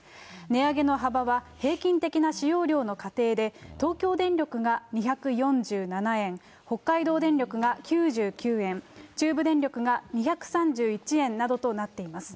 値上げの幅は、平均的な使用量の家庭で、東京電力が２４７円、北海道電力が９９円、中部電力が２３１円などとなっています。